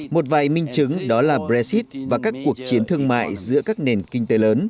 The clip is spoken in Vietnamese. một vài minh chứng đó là brexit và các cuộc chiến thương mại giữa các nền kinh tế lớn